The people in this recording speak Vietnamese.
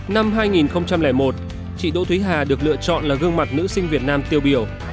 năm hai nghìn một chị đỗ thúy hà được lựa chọn là gương mặt nữ sinh việt nam tiêu biểu